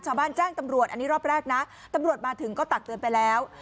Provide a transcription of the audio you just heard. แจ้งตำรวจอันนี้รอบแรกนะตำรวจมาถึงก็ตักเตือนไปแล้ว